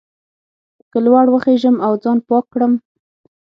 که لوړ وخېژم او ځان پاک کړم.